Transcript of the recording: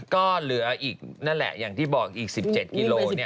ก็เหลืออีกนั่นแหละอย่างที่บอกอีก๑๗กิโล